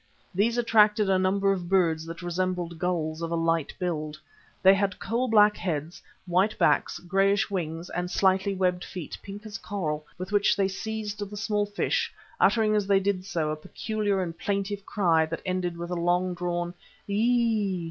These attracted a number of birds that resembled gulls of a light build. They had coal black heads, white backs, greyish wings, and slightly webbed feet, pink as coral, with which they seized the small fish, uttering as they did so, a peculiar and plaintive cry that ended in a long drawn e e é.